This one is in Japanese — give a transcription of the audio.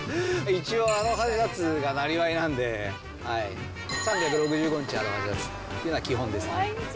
一応アロハシャツがなりわいなんで、３６５日アロハシャツっていうのは基本ですね。